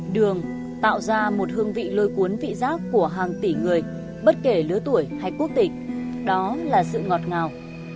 đường tạo ra một hương vị lôi cuốn vị giác của hàng tỷ người bất kể lứa tuổi hay quốc tịch đó là sự ngọt ngào